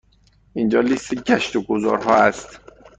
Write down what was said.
اینجا لیست گشت و گذار ها است.